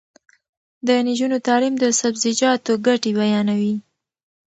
د نجونو تعلیم د سبزیجاتو ګټې بیانوي.